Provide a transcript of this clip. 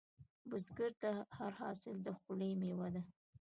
بزګر ته هر حاصل د خولې میوه ده